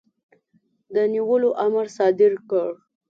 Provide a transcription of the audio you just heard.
د نیولو امر صادر کړ.